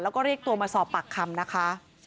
แล้วก็เรียกตัวมาสอบปากคำนะคะ